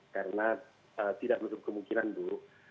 karena tidak menurut kemungkinan ibu